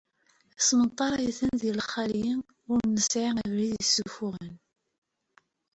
Ismenṭar-iten di lxali ur nesɛi abrid yessufuɣen.